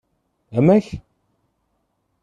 Amek?